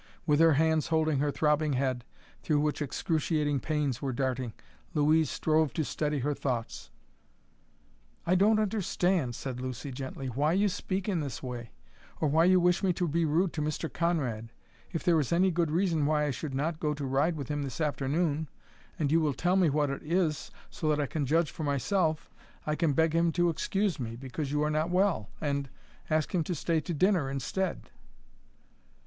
With her hands holding her throbbing head, through which excruciating pains were darting, Louise strove to steady her thoughts. "I don't understand," said Lucy, gently, "why you speak in this way, or why you wish me to be rude to Mr. Conrad. If there is any good reason why I should not go to ride with him this afternoon, and you will tell me what it is, so that I can judge for myself, I can beg him to excuse me, because you are not well and ask him to stay to dinner instead."